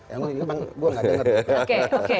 ya memang gue nggak denger